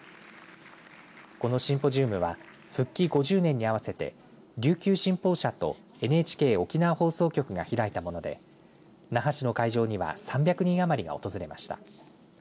このシンポジウムは復帰５０年にあわせて琉球新報社とＮＨＫ沖縄放送局が開いたもので那覇市の会場には３００人余りが訪れました。